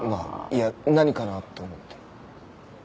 いや何かなって思って。